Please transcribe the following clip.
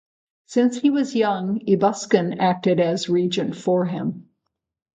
Since he was still young, Ebuskun acted as regent for him.